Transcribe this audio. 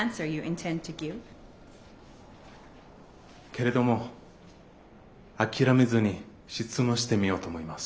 けれども諦めずに質問してみようと思います。